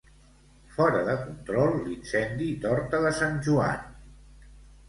Fora de control l'incendi d'Horta de Sant Joan.